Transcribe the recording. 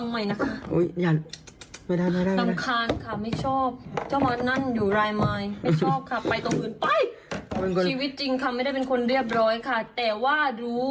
ไม่ต้องใจค่ะ